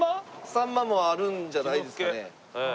サンマもあるんじゃないですかね？